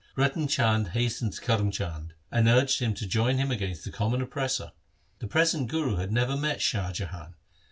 Ratan Chand hastened to Karm Chand, and urged him to join him against the com mon oppressor. The present Guru had never met Shah Jahan.